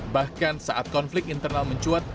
bahkan saat konflik internal mencuat